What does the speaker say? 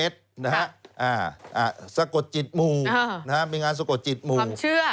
ซะกดจิตหมู